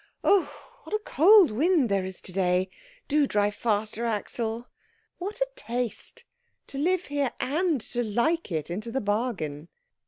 "Oh, what a cold wind there is to day. Do drive faster, Axel. What a taste, to live here and to like it into the bargain!"